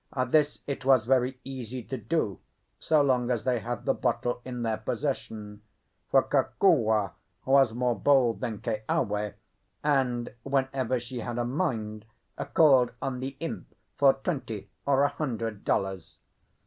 This it was very easy to do, so long as they had the bottle in their possession; for Kokua was more bold than Keawe, and, whenever she had a mind, called on the imp for twenty or a hundred dollars.